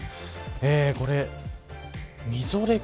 これ、みぞれか。